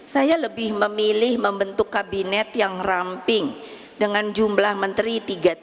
saya lebih memilih membentuk kabinet yang ramping dengan jumlah menteri tiga tiga